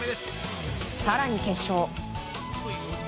更に決勝。